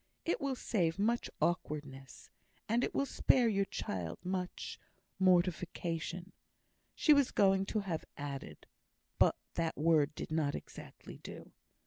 It will save much awkwardness, and it will spare your child much " Mortification she was going to have added, but that word did not exactly do.